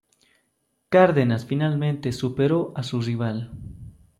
Cárdenas finalmente superó a su rival.